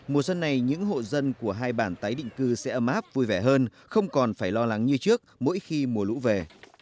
mùa xuân này những hộ dân của hai bản tái định cư sẽ ấm áp vui vẻ hơn không còn phải lo lắng như trước mỗi khi mùa lũ về